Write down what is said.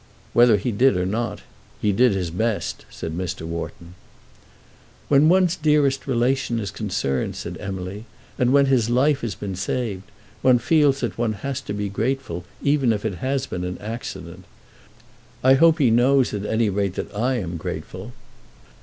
"Whether he did or not, he did his best," said Mr. Wharton. "When one's dearest relation is concerned," said Emily, "and when his life has been saved, one feels that one has to be grateful even if it has been an accident. I hope he knows, at any rate, that I am grateful."